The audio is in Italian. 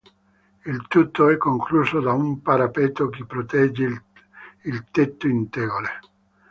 Il tutto è concluso da un parapetto che protegge il tetto in tegole.